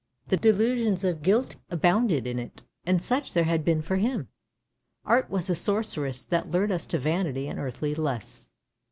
The delusions of guilt abounded in it, and such there had been for him. Art was a sorceress that lured us to vanity and earthly lusts.